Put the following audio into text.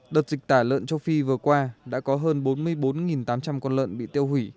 đợt dịch tả lợn châu phi vừa qua đã có hơn bốn mươi bốn tám trăm linh con lợn bị tiêu hủy